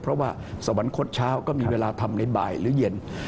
เพราะว่าสวรรคตเช้าก็มีเวลาทำในบ่ายหรือเย็น